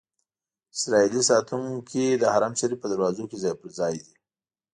اسرائیلي ساتونکي د حرم شریف په دروازو کې ځای پر ځای دي.